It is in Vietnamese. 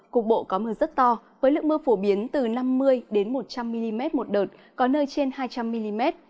cục bộ có mưa rất to với lượng mưa phổ biến từ năm mươi một trăm linh mm một đợt có nơi trên hai trăm linh mm